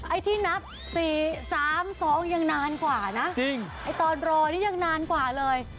ไอ้ที่นับ๔๓๒ยังนานกว่านะจริงไอ้ตอนรอนี่ยังนานกว่าเลย